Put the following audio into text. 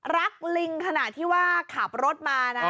รักลิงขนาดที่ว่าขับรถมานะ